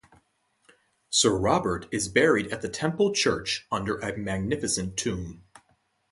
Sir Robert is buried at the Temple Church under a magnificent tomb.